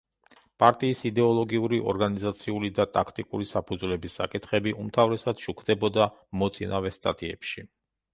პარტიის იდეოლოგიური, ორგანიზაციული და ტაქტიკური საფუძვლების საკითხები უმთავრესად შუქდებოდა მოწინავე სტატიებში.